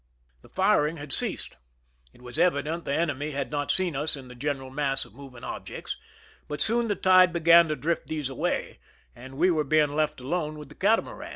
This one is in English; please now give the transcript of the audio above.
The firing had ceased. It was evident the enemy had not seen us in the general mass of moving ob jects ; but soon the tide began to drift these away, and we were being left alone with the catamaran.